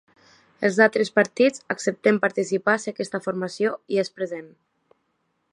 Els altres partits acceptem participar si aquesta formació hi és present.